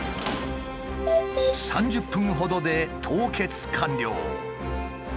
３０分ほどで凍結完了。